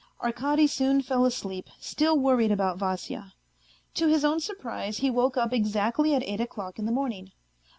Arkady soon fell asleep, still worried about Vasya. To his own surprise he woke up exactly at eight o'clock in the morning.